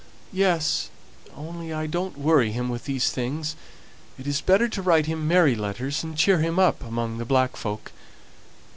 "Yes; only I don't worry him with these things; it's better to write him merry letters, and cheer him up among the black folk.